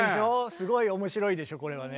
すごい面白いでしょこれはね。